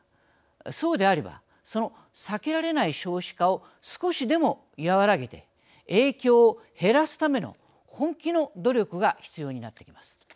そうであればその避けられない少子化を少しでも和らげて影響を減らすための本気の努力が必要になってきます。